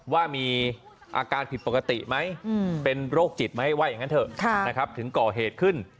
ว่ามีอาการผิดปกติไหมเป็นโรคจิตไหมว่าอย่างนั้นเถอะถึงก่อเหตุขึ้น